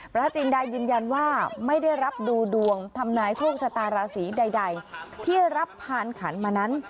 ประธานจริงได้ยืนยันว่าไม่ได้รับดูดวงธรรมนายโฆษศตราศรีใดที่รับผ่านขันมานั้น